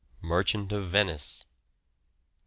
8. Merchant of Venice. 9.